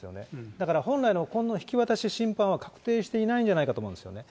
だから本来の引き渡しの審判は確定していないんじゃないかと思うんですよね。